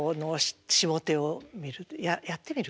やってみる？